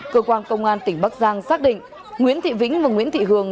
cơ quan công an tỉnh bắc giang xác định nguyễn thị vĩnh và nguyễn thị hường